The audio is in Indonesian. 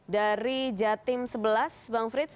dari jatim sebelas bang frits